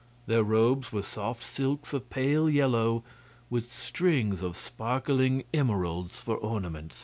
Their robes were soft silks of pale yellow, with strings of sparkling emeralds for ornament.